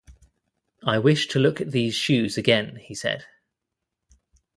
"I wish to look at these shoes again," he said.